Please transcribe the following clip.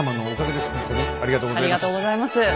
ほんとにありがとうございます。